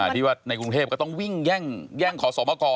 ที่ว่าในกรุงเทพก็ต้องวิ่งแย่งขอสมกร